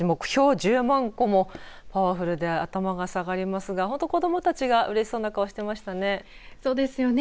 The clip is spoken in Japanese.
１０万個もパワフルで頭が下がりますが本当に子どもたちがうれしそうな顔してましたね。